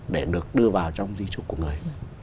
để được đưa vào trong di trúc của người